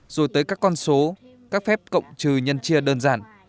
rồi tới các con số các phép cộng trừ nhân chia đơn giản